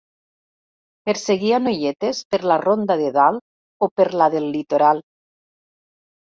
Perseguia noietes per la Ronda de Dalt o per la del Litoral.